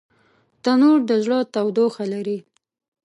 تنور د زړه تودوخه لري